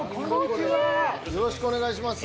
よろしくお願いします。